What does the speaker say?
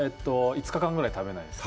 ５日間ぐらい食べないです。